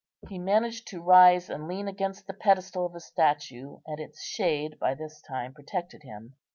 He managed to rise and lean against the pedestal of the statue, and its shade by this time protected him.